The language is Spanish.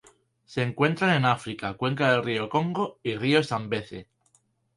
Se encuentran en África: cuenca del río Congo y río Zambeze.